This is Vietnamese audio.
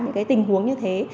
những cái tình huống như thế